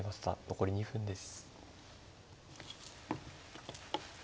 残り２分です。